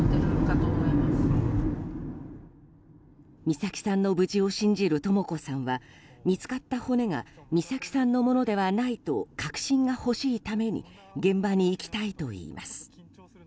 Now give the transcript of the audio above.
美咲さんの無事を信じるとも子さんは見つかった骨が美咲さんのものではないと確信が欲しいために現場に行きたいといいます。